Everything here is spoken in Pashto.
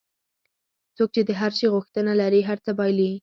څوک چې د هر شي غوښتنه لري هر څه بایلي.